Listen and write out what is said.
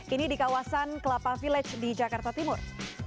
ini di kawasan kelapa village di jakarta timur